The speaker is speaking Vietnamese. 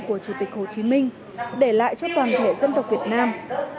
của chủ tịch hồ chí minh để lại cho toàn thể dân tộc việt nam